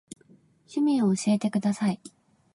趣味を教えてください。